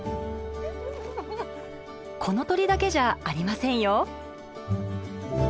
この鳥だけじゃありませんよ。